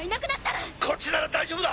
こっちなら大丈夫だ！